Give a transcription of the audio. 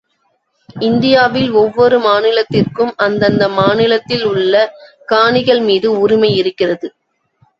இந்தியாவில் ஒவ்வொரு மாநிலத்திற்கும் அந்தந்த மாநிலத்தில் உள்ள காணிகள் மீது உரிமை இருக்கிறது.